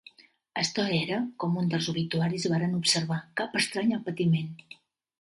Storr era, com un dels obituaris varen observar, "cap estrany al patiment".